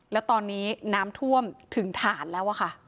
แล้วตอนนี้น้ำท่วมถึงฐานแล้วอะค่ะ